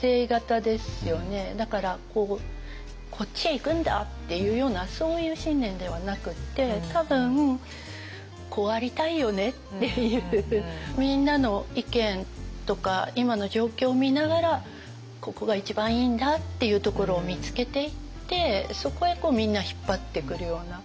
だから「こっちへ行くんだ！」っていうようなそういう信念ではなくって多分「こうありたいよね」っていうみんなの意見とか今の状況を見ながらここが一番いいんだっていうところを見つけていってそこへみんな引っ張ってくるような。